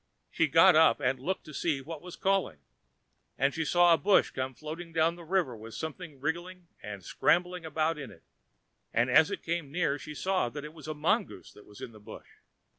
She got up and looked to see what was calling, and she saw a bush coming floating down the river with something wriggling and scrambling about in it, and as it came near she saw that it was a mongoose that was in the bush.